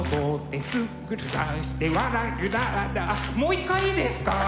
もう一回いいですか？